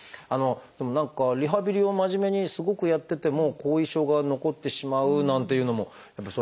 何かリハビリを真面目にすごくやってても後遺症が残ってしまうなんていうのもそれはあったりするんですか？